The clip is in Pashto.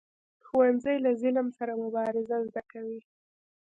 ښوونځی له ظلم سره مبارزه زده کوي